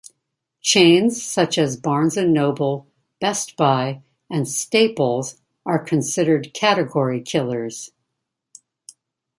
Chains such as Barnes and Noble, Best Buy, and Staples are considered category killers.